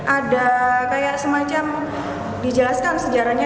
ada kayak semacam dijelaskan sejarahnya